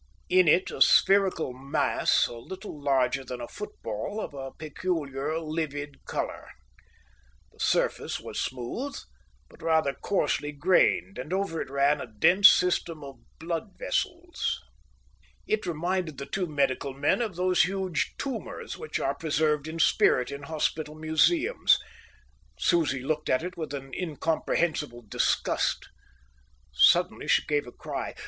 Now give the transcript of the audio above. In it a spherical mass, a little larger than a football, of a peculiar, livid colour. The surface was smooth, but rather coarsely grained, and over it ran a dense system of blood vessels. It reminded the two medical men of those huge tumours which are preserved in spirit in hospital museums. Susie looked at it with an incomprehensible disgust. Suddenly she gave a cry.